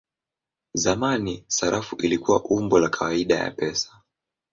Zamani sarafu ilikuwa umbo la kawaida ya pesa.